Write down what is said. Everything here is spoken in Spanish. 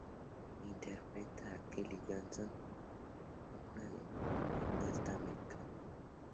Interpreta a Kelly Johnson, una de gimnasta americana.